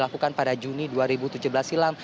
dilakukan pada juni dua ribu tujuh belas silam